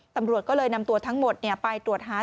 ตำรวจก็เลยนำตัวทั้งหมดไปตรวจหา